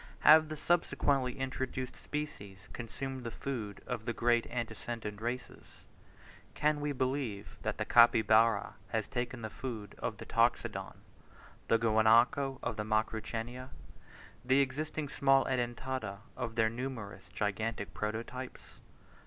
Have the subsequently introduced species consumed the food of the great antecedent races? Can we believe that the Capybara has taken the food of the Toxodon, the Guanaco of the Macrauchenia, the existing small Edentata of their numerous gigantic prototypes?